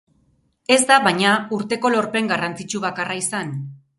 Ez da, baina, urteko lorpen garrantzitsu bakarra izan.